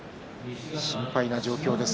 心配な状況です。